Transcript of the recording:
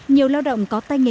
nhiều lao động có tài nghề